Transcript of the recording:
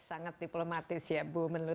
sangat diplomatis ya bu menu